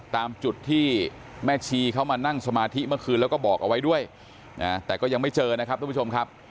ตามจุดที่แม่ชีเขามานั่งสมาธิเมื่อคืนแล้วก็บอกเอาไว้ด้วยนะแต่ก็ยังไม่เจอนะครับทุกผู้ชมครับ